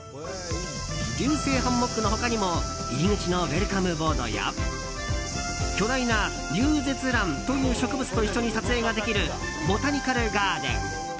流星ハンモックの他にも入り口のウェルカムボードや巨大なリュウゼツランという植物と一緒に撮影ができるボタニカルガーデン。